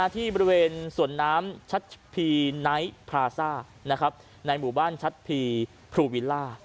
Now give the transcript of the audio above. ที่บริเวณสวนน้ำชัดพีไนท์พราซ่าในหมู่บ้านชัดพีภูวิลล่า